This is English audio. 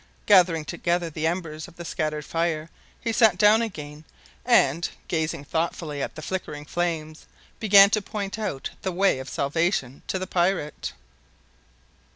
Gathering together the embers of the scattered fire, he sat down again, and, gazing thoughtfully at the flickering flames, began to point out the way of salvation to the pirate.